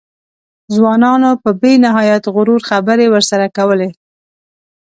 ځوانانو په بې نهایت غرور خبرې ورسره کولې.